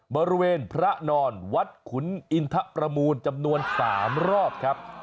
บริเวณพระนอนวัดขุนอินทะประมูลจำนวน๓รอบครับ